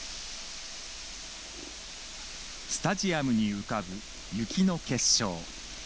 スタジアムに浮かぶ雪の結晶。